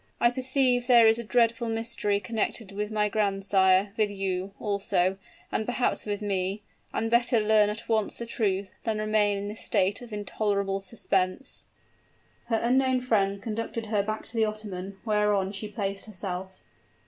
"I perceive there is a dreadful mystery connected with my grandsire with you, also and perhaps with me; and better learn at once the truth, than remain in this state of intolerable suspense." Her unknown friend conducted her back to the ottoman, whereon she placed herself.